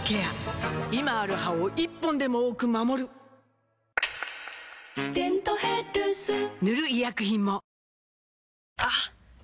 今ある歯を１本でも多く守る「デントヘルス」塗る医薬品もあっ！